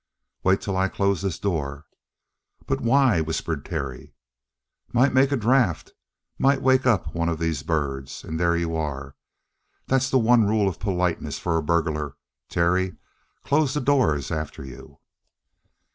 "Wait till I close this door." "But why?" whispered Terry. "Might make a draught might wake up one of these birds. And there you are. That's the one rule of politeness for a burglar, Terry. Close the doors after you!"